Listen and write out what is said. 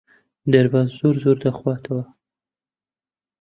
دەرباز زۆر زۆر دەخواتەوە.